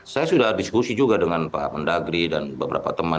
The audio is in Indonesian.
saya sudah diskusi juga dengan pak mendagri dan beberapa teman